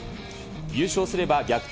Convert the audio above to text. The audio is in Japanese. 優勝すれば逆転